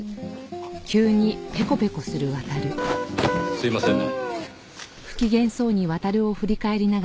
すいませんね。